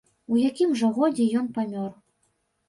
У якім жа годзе ён памёр.